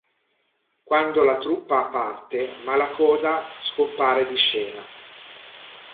Quando la truppa parte Malacoda scompare di scena.